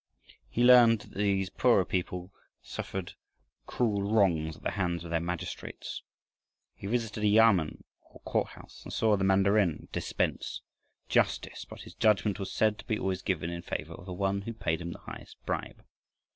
He learned that these poorer people suffered cruel wrongs at the hands of their magistrates. He visited a yamen, or court house, and saw the mandarin "dispense justice," but his judgment was said to be always given in favor of the one who paid him the highest bribe.